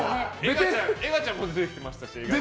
エガちゃんも出てきましたし。